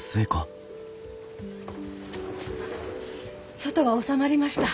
外は収まりました。